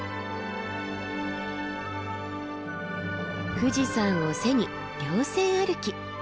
富士山を背に稜線歩き。